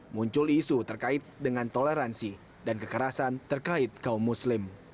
muncul isu terkait dengan toleransi dan kekerasan terkait kaum muslim